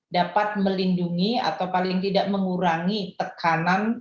dapat melindungi atau paling tidak mengurangi tekanan